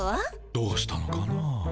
どうしたのかな？